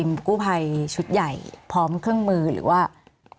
มีความรู้สึกว่ามีความรู้สึกว่า